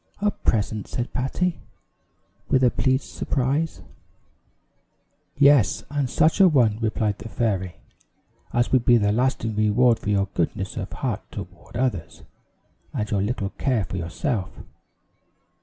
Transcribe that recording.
"A present!" said Patty, with a pleased surprise. "Yes, and such a one," replied the fairy, "as will be a lasting reward for your goodness of heart toward others, and your little care for yourself.